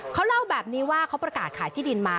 เขาเล่าแบบนี้ว่าเขาประกาศขายที่ดินมา